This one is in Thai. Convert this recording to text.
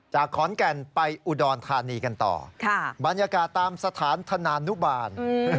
ขอนแก่นไปอุดรธานีกันต่อบรรยากาศตามสถานธนานุบาล